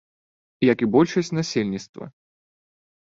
Як і большасць насельніцтва.